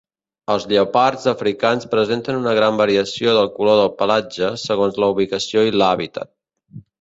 Els lleopards africans presenten una gran variació del color del pelatge, segons la ubicació i l'hàbitat.